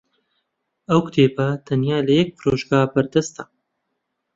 ئەو کتێبە تەنیا لە یەک فرۆشگا بەردەستە.